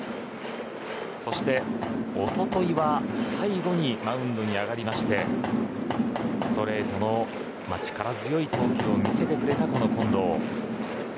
そして、おとといは最後にマウンドに上がりましてストレートの力強い投球を見せてくれた、この近藤。